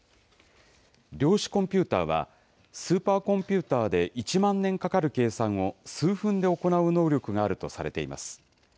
量子コンピューターは、スーパーコンピューターで１万年かかる計算を数分で行う能力があるとされています。